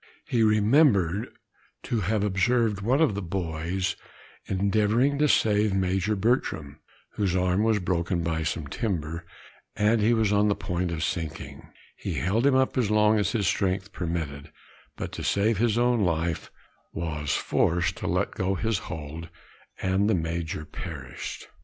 He remembered to have observed one of the boys endeavoring to save Major Bertram, whose arm was broken by some timber, and he was on the point of sinking; he held him up as long as his strength permitted; but to save his own life, was forced to let go his hold, and the Major perished.